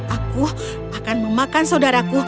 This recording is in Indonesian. aku akan memakan saudaraku